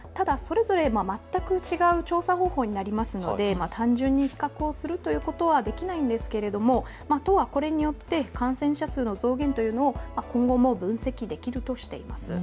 ただそれぞれ全く違う調査方法になるので単純に比較をするということはできないんですが都はこれによって感染者数の増減というのを今後も分析できるとしています。